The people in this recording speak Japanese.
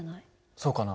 そうかな？